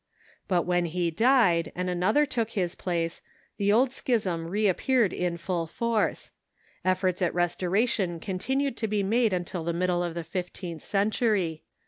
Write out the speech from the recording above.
But when he died, and another took his place, the old schism reappeared in full force. Efforts at restoration continued to be made until the middle of the fifteenth centur}'.